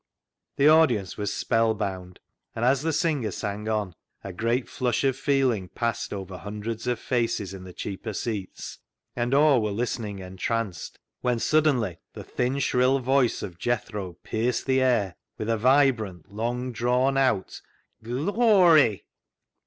The audience was spellbound ; and as the singer sang on, a great flush oi feeling passed over hundreds of faces in the cheaper seats, and all were listening entranced, when suddenly the thin, shrill voice of Jethro pierced the air with a vibrant, long drawn out " G 1 o r y